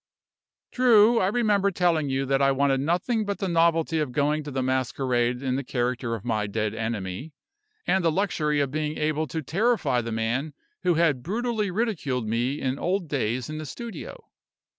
"True. I remember telling you that I wanted nothing but the novelty of going to the masquerade in the character of my dead enemy, and the luxury of being able to terrify the man who had brutally ridiculed me in old days in the studio.